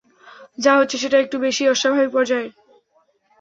যা হচ্ছে সেটা একটু বেশীই অস্বাভাবিক পর্যায়ের!